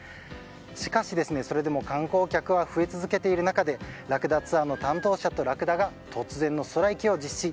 しかし、それでも観光客は増えて続けている中でラクダツアーの担当者たちは突然のストライキを実施。